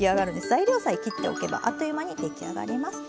材料さえ切っておけばあっという間に出来上がります。